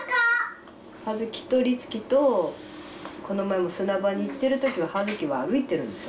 葉月と涼月とこの前も砂場に行ってるときは葉月は歩いてるんですよ